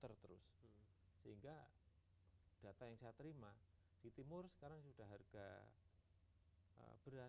yang bergerak kapal itu dari barat ke timur muter terus